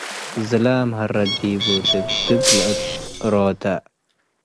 ዝላም ሀረት ዲቡ - ድግድግ ለእት እሮተ